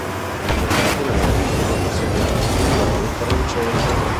Ha giocato nella prima e nella seconda divisione francese.